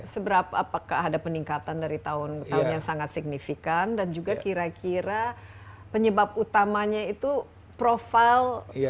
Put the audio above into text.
seberapa apakah ada peningkatan dari tahun ke tahun yang sangat signifikan dan juga kira kira penyebab utamanya itu profil